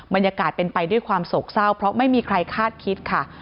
บรรยากาศเป็นไปด้วยความโศกเศร้าเพราะไม่มีใครคาดคิดค่ะ